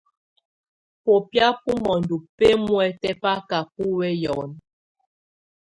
Bobía bo mondo bɛmuɛtɛ báka bó wey ɔn.